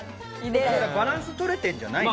バランスは取れているんじゃないの？